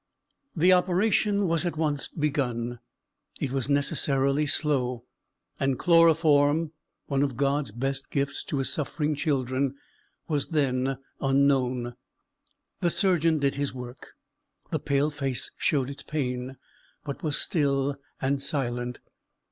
The operation was at once begun; it was necessarily slow; and chloroform one of God's best gifts to his suffering children was then unknown. The surgeon did his work. The pale face showed its pain, but was still and silent.